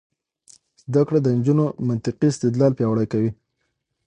زده کړه د نجونو منطقي استدلال پیاوړی کوي.